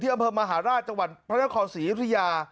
ที่อำเภอมหาราชจังหวัดพระเจ้าของศรีภิยา